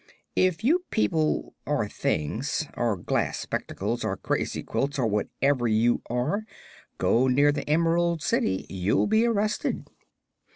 If you people or things or glass spectacles or crazy quilts or whatever you are, go near the Emerald City, you'll be arrested."